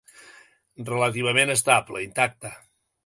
Relativament estable, intacta.